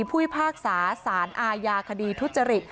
ภุวิภาคสาสารอาญาคดีทุจริ